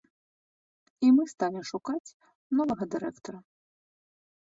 І мы сталі шукаць новага дырэктара.